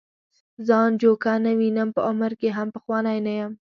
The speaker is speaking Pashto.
ځان جوګه نه وینم په عمر کې هم پخوانی یم.